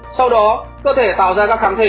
sau đó cơ thể tạo ra các kháng thể